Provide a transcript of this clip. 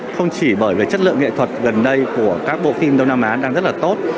không chỉ bởi về chất lượng nghệ thuật gần đây của các bộ phim đông nam á đang rất là tốt